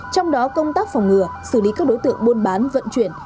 trong đó công tác phòng ngừa xử lý các đối tượng buôn bán vận chuyển